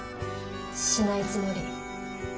しないつもり。